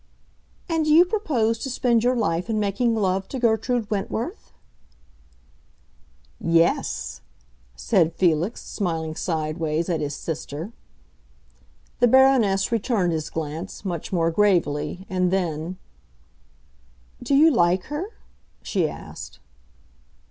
"And do you propose to spend your life in making love to Gertrude Wentworth?" "Yes!" said Felix, smiling sidewise at his sister. The Baroness returned his glance, much more gravely; and then, "Do you like her?" she asked.